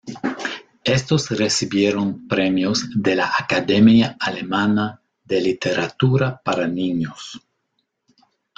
Estos recibieron premios de la Academia Alemana de Literatura para Niños.